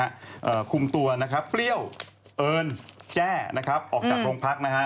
ควบคุมตัวนะครับปริ๊กเอิร์นแจ่ออกจากโรงพักษณ์นะฮะ